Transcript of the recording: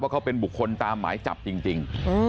เขาเป็นบุคคลตามหมายจับจริง